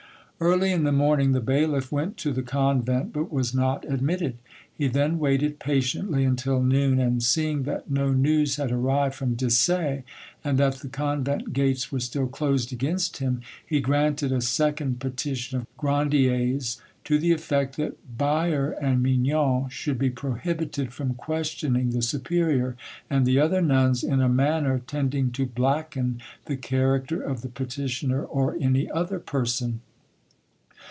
Early in the morning the bailiff went to the convent, but was not admitted; he then waited patiently until noon, and seeing that no news had arrived from Dissay, and that the convent gates were still closed against him, he granted a second petition of Grandier's, to the effect that Byre and Mignon should be prohibited from questioning the superior and the other nuns in a manner tending to blacken the character of the petitioner or any other person.